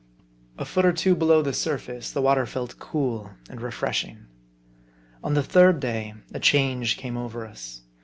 A. 66 HARD I. foot or two below the surface, the water felt cool and refreshing. On the third day a change came over us.